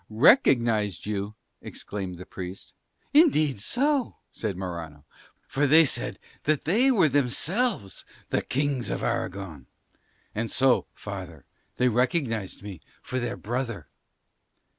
"Recognised you!" exclaimed the Priest. "Indeed so," said Morano, "for they said that they were themselves the Kings of Aragon; and so, father, they recognised me for their brother."